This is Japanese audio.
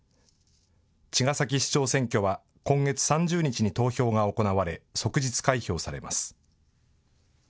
茅ヶ崎市長選挙は今月３０日に投票が行われ、即日開票されます。